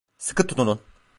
Sıkı tutunun.